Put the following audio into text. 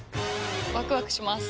ワクワクします。